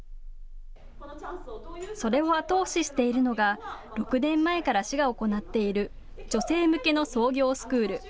それを後押ししているのが６年前から市が行っている女性向けの創業スクール。